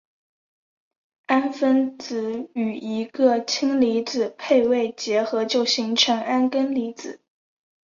氨分子与一个氢离子配位结合就形成铵根离子。